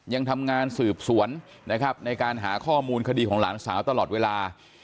ยังทำงานสืบสวนนะครับในการหาข้อมูลคดีของหลานสาวตลอดเวลา